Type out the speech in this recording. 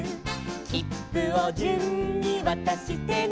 「きっぷを順にわたしてね」